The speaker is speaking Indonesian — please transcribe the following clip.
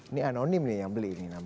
ini anonim yang beli ini namanya